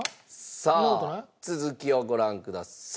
さあ続きをご覧ください。